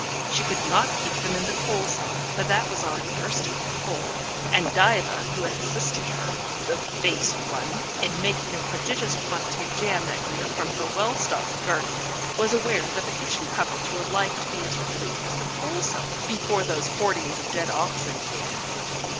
She could not keep them in the coal cellar, for that was already bursting with coal, and Diva, who had assisted her (the base one) in making a prodigious quantity of jam that year from her well stocked garden, was aware that the kitchen cupboards were like to be as replete as the coal cellar, before those hoardings of dead oxen began.